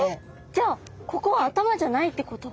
じゃあここは頭じゃないってこと？